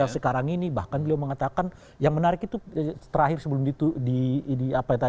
sekarang ini bahkan beliau mengatakan yang menarik itu terakhir sebelum itu di apa ya